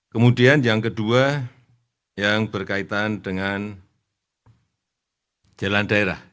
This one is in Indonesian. kemudian yang kedua yang berkaitan dengan jalan daerah